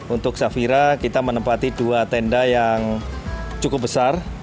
untuk safira kita menempati dua tenda yang cukup besar